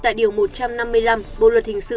tại điều một trăm năm mươi năm bộ luật hình sự